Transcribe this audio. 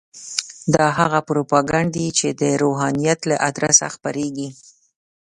دا هغه پروپاګند دی چې د روحانیت له ادرسه خپرېږي.